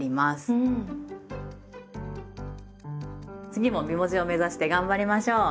次も美文字を目指して頑張りましょう！